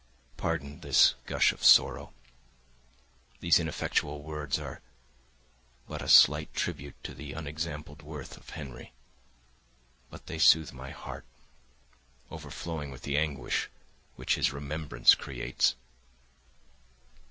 Pardon this gush of sorrow; these ineffectual words are but a slight tribute to the unexampled worth of Henry, but they soothe my heart, overflowing with the anguish which his remembrance creates.